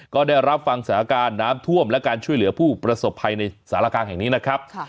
ก็ได้รับฟังสถานการณ์น้ำท่วมและการช่วยเหลือผู้ประสบภัยในสารกลางแห่งนี้นะครับ